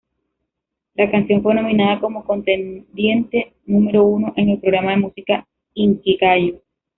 La canción fue nominada como contendiente número uno en el programa de música, "Inkigayo".